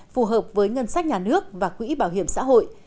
phù hợp với ngân sách nhà nước và quỹ bảo hiểm xã hội